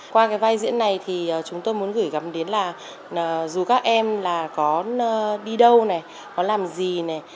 qua cái vai diễn này thì chúng tôi muốn gửi gắm đến là dù các em là có đi đâu này có làm gì này